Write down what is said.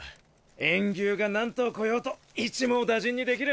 炎牛が何頭来ようと一網打尽にできる。